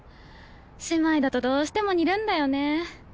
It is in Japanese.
姉妹だとどうしても似るんだよね。